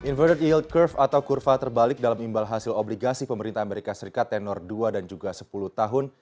inverted yield curve atau kurva terbalik dalam imbal hasil obligasi pemerintah amerika serikat tenor dua dan juga sepuluh tahun